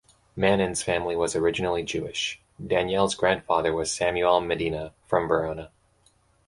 Manin's family was originally Jewish: Daniele's grandfather was Samuele Medina, from Verona.